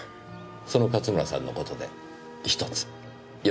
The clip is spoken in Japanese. その勝村さんの事で１つよろしいですか？